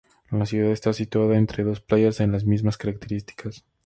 La ciudad está situada entre dos playas de las mismas características.